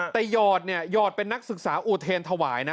แต่หยอดเนี่ยหยอดเป็นนักศึกษาอูเทนถวายนะ